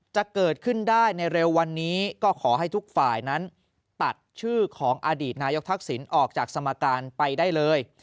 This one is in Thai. จะเกิดขึ้นได้ในเร็ววันนี้ก็ขอให้ทุกฝ่ายนั้นตัดชื่อของอดีตนายกทักษิณออกจากสมการไปได้เลย